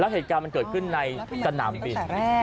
เหตุการณ์มันเกิดขึ้นในสนามบิน